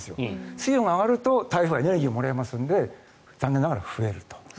水温が上がると台風はエネルギーをもらいますので残念ながら増えると。